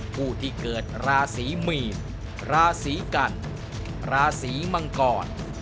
ผู้ที่เกิดราศีมีนราศีกันราศีมังกร